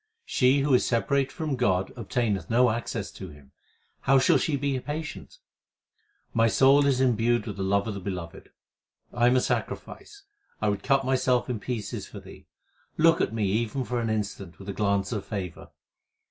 She who is separated from God obtaineth no access to Him ; how shall she be patient ? My soul is imbued with the love of the Beloved. I am a sacrifice ; I would cut myself in pieces for Thee ; look at me even for an instant with a glance of favour.